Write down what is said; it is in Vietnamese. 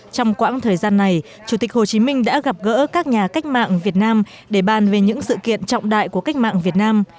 trong quãng thời gian này chủ tịch hồ chí minh đã gặp gỡ các nhà cách mạng việt nam để bàn về những sự kiện trọng đại của cách mạng việt nam